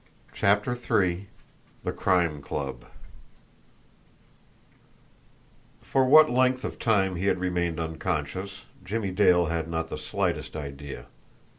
CHAPTER III THE CRIME CLUB For what length of time he had remained unconscious, Jimmie Dale had not the slightest idea.